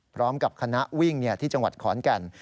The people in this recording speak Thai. พร้อมกับคณะวิ่งที่จังหวัดขอนแก่น